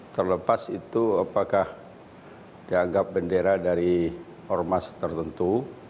terlepas itu apakah dianggap bendera dari ormas tertentu